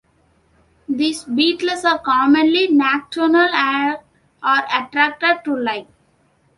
These beetles are commonly nocturnal and are attracted to light.